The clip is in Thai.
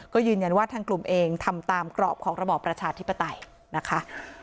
ก็ยืนยันว่าทางกลุ่มเองทำตามกรอบของระบอบประชาธิปไตยนะคะ